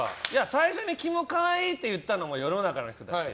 最初にキモ可愛いって言ったのも世の中の人たち。